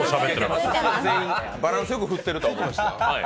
バランスよく振ってると思います。